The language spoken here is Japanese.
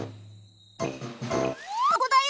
ここだよ！